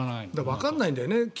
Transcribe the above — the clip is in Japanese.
わからないんだよね。